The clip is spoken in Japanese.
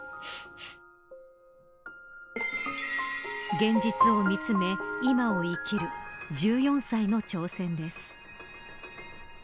現実を見つめ今を生きる１４歳の挑戦です。